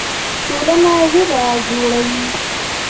ټولنه ژبه جوړوي.